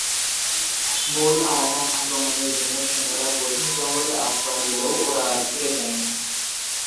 মূল আরাকান আক্রমণের জন্য সৈন্যরা গহীন জঙ্গলে আশ্রয় নিলেও ওরা আর ফিরে যায়নি।